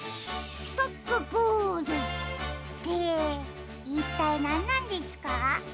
ストップボール？っていったいなんなんですか？